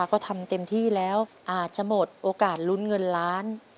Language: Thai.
ก็ทำเต็มที่แล้วอาจจะหมดโอกาสลุ้นเงินล้าน